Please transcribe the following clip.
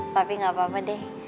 tapi gak apa apa deh